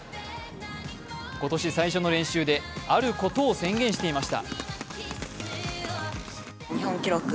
今年最初の練習であることを宣言していました。